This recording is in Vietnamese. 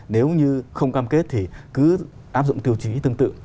nếu như không cam kết thì cứ áp dụng tiêu chí tương tự